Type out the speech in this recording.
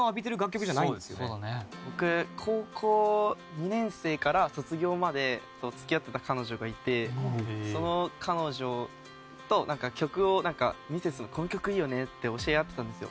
僕高校２年生から卒業まで付き合ってた彼女がいてその彼女と曲をなんか「ミセスのこの曲いいよね」って教え合ってたんですよ。